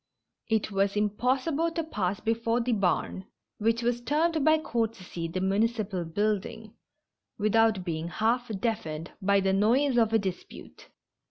It was impossible to pass before the barn, which was termed by courtesy the municipal building, without being half deaf ened by the noise of a dispute.